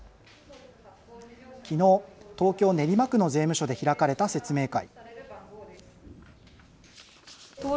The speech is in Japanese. きのう東京練馬区の税務署で開かれた説明会。